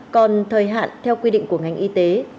còn thời hạn theo quy định của ngành y tế